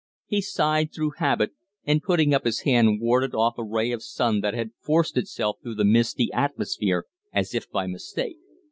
He sighed through habit, and, putting up his hand, warded off a ray of sun that had forced itself through the misty atmosphere as if by mistake.